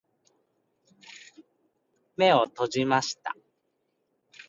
目を閉じました。